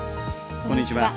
こんにちは。